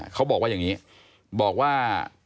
เขาบอกว่าอย่างนี้บอกว่า